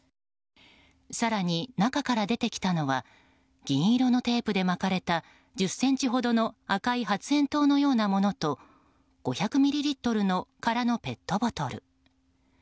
更に、中から出てきたのは銀色のテープで巻かれた１０ｃｍほどの赤い発煙筒のようなものと５００ミリリットルの空のペットボトル。